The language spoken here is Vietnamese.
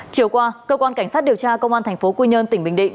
chiều qua cơ quan cảnh sát điều tra công an tp quy nhơn tỉnh bình định